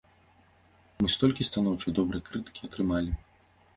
Мы столькі станоўчай, добрай крытыкі атрымалі!